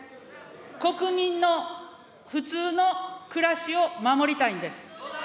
国民の普通の暮らしを守りたいんです。